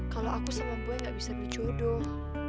kalau aku sama boy gak bisa dijodoh